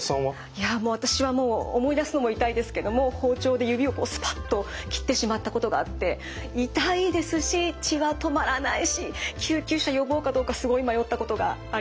いやもう私はもう思い出すのも痛いですけども包丁で指をこうスパッと切ってしまったことがあって痛いですし血は止まらないし救急車呼ぼうかどうかすごい迷ったことがあります。